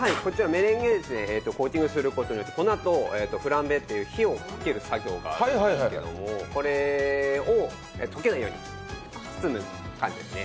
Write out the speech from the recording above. メレンゲでコーティングすることによってフランベをかける作業があるんですけどこれを溶けないように、包むんですね。